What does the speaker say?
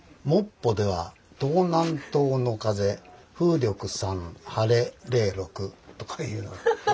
モッポでは東南東の風風力３晴れ０６」とかいう。